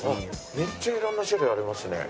めっちゃ色んな種類ありますね。